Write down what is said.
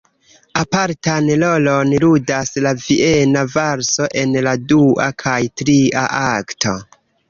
Apartan rolon ludas la viena valso en la dua kaj tria akto.